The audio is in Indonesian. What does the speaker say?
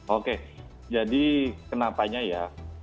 oke jadi kenapanya ya